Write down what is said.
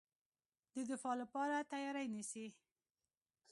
د دفاع لپاره تیاری نیسي.